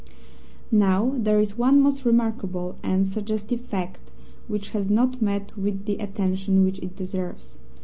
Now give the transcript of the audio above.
"Now, there is one most remarkable and suggestive fact which has not met with the attention which it deserves.